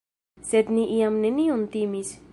Sed ni jam nenion timis.